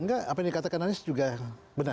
enggak apa yang dikatakan anies juga benar